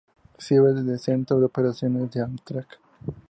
Sirve de centro de operaciones de Amtrak.